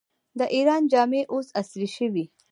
د ایران جامې اوس عصري شوي.